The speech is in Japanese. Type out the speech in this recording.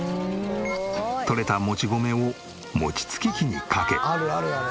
とれた餅米を餅つき機にかけ。